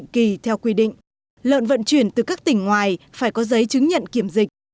kỳ theo quy định lợn vận chuyển từ các tỉnh ngoài phải có giấy chứng nhận kiểm dịch